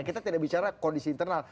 kita tidak bicara kondisi internal